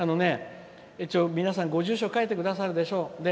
皆さん、一応、ご住所を書いてくださるでしょう。